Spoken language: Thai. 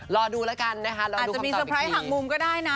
รอดูแล้วกันนะคะรอดูคำตอบอีกทีอาจจะมีสไพร์หักมุมก็ได้นะ